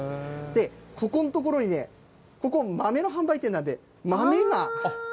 ここのところにね、ここ、豆の販売店なんで、豆が。